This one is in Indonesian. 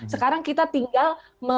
sekarang kita tinggal